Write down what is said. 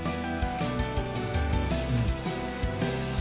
うん。